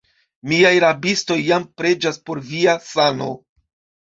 Miaj rabistoj jam preĝas por via sano.